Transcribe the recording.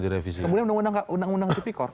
direvisi kemudian undang undang tp core